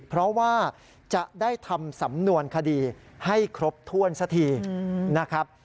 เพราะว่าจะได้ทำสำนวนคดีให้ครบถ้วนสักทีนะครับ